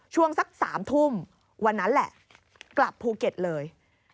ช่วงสัก๓ทุ่มวันนั้นแหละกลับภูเก็ตเลย